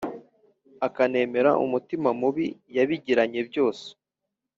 akanemera umutima mubi yabigiranye byose